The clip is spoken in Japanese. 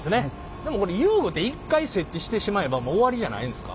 でもこれ遊具て一回設置してしまえばもう終わりじゃないんですか？